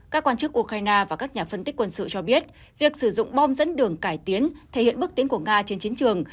các quan chức ukraine và các nhà phân tích quân sự cho biết việc sử dụng bom dẫn đường cải tiến thể hiện bước tiến của nga trên chiến trường